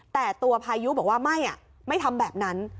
แต่ตัวพายุบอกว่าไม่ไม่ทำแบบนั้น